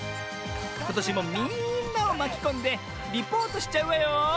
ことしもみんなをまきこんでリポートしちゃうわよ！